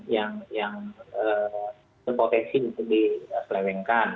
yang terpotensi itu diselewengkan